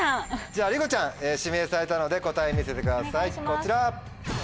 じゃありこちゃん指名されたので答え見せてくださいこちら。